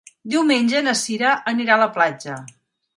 Diumenge na Cira anirà a la platja.